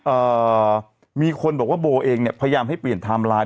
เอ่อมีคนบอกว่าโบเองเนี่ยพยายามให้เปลี่ยนไทม์ไลน์